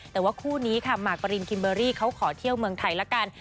แต่ว่าคู่นี้ค่ะหมากปรินคิมเบอร์รี่เขาขอเที่ยวเมืองไทยละกัน